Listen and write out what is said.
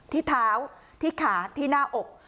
ที่เท้าที่ขาที่หน้าอก